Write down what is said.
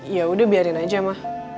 yaudah biarin aja ma